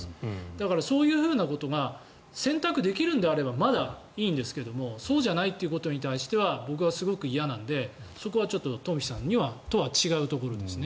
だから、そういうことが選択できるのであればまだいいんですがそうじゃないということに対しては僕はすごく嫌なのでそこはちょっと東輝さんとは違うところですね。